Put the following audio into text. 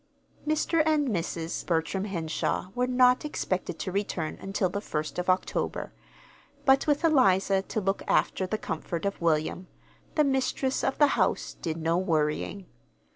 Mr. and Mrs. Bertram Henshaw were not expected to return until the first of October; but with Eliza to look after the comfort of William, the mistress of the house did no worrying.